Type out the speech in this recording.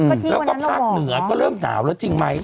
แล้วก็ภาคเหนือก็เริ่มหนาวแล้วจริงไหม